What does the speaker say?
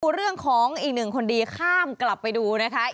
เรื่องของอีกหนึ่งคนดีข้ามกลับไปดูนะคะ